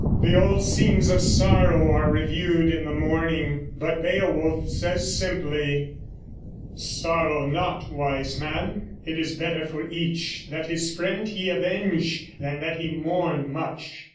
The old scenes of sorrow are reviewed in the morning; but Beowulf says simply: Sorrow not, wise man. It is better for each That his friend he avenge than that he mourn much.